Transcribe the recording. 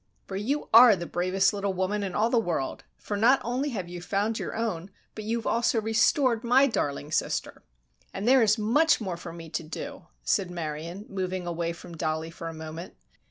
"For you are the bravest little woman in all the world, for not only have you found your own, but you have also restored my darling sister." "And there is much more for me to do," said Marion, moving away from Dollie for a moment.